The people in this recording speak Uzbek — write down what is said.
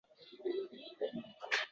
«Bilasanmi, yuz berdi ovda